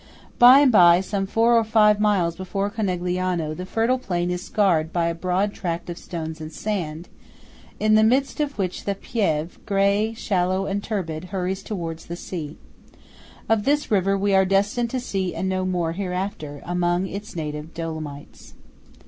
By and by, some four or five miles before Conegliano, the fertile plain is scarred by a broad tract of stones and sand, in the midst of which the Piave, grey, shallow, and turbid, hurries towards the sea. Of this river we are destined to see and know more hereafter, among its native Dolomites.